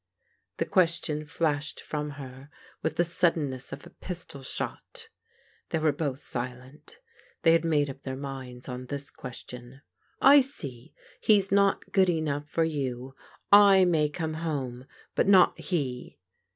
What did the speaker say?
" The question flashed from her with the suddenness of a pistol shot They were both silent They had made up their minds on this question. " I see ! He's not good enough for you ! I may come home, but not he